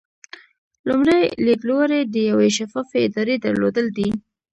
لومړی لیدلوری د یوې شفافې ادارې درلودل دي.